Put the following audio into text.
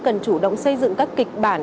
cần chủ động xây dựng các kịch bản